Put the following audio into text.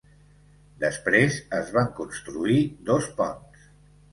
Després es van construir dos ponts.